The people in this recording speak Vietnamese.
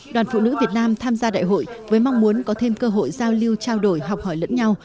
đoàn phụ nữ việt nam tham gia đại hội với mong muốn có thêm cơ hội giao lưu trao đổi học hỏi lẫn nhau